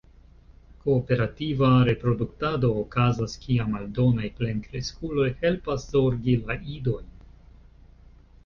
Kooperativa reproduktado okazas kiam aldonaj plenkreskuloj helpas zorgi la idojn.